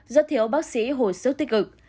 rất thiếu bác sĩ hồi sức tích cực